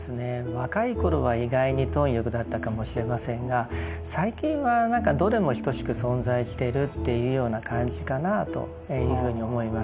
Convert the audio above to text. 若い頃は意外に貪欲だったかもしれませんが最近はどれも等しく存在してるっていうような感じかなというふうに思います。